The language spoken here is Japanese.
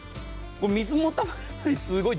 水もたまらない。